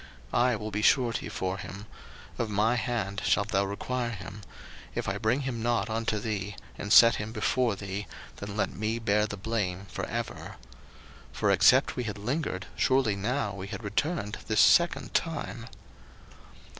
01:043:009 I will be surety for him; of my hand shalt thou require him: if I bring him not unto thee, and set him before thee, then let me bear the blame for ever: 01:043:010 For except we had lingered, surely now we had returned this second time.